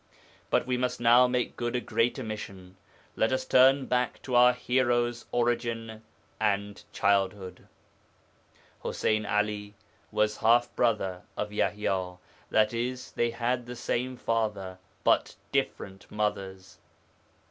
But we must now make good a great omission. Let us turn back to our hero's origin and childhood. Ḥuseyn 'Ali was half brother of Yaḥya, i.e. they had the same father but different mothers.